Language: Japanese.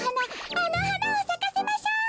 あのはなをさかせましょう！